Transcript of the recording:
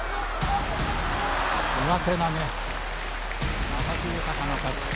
上手投げ、旭豊の勝ち。